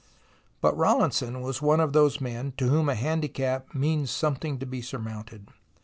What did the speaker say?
But Rawlinson was one of those men to whom a handicap means something to be surmounted.